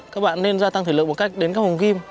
các bạn nên gia tăng thể lực một cách đến các hồng kim